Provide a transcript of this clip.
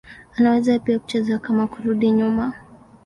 Anaweza pia kucheza kama kurudi nyuma.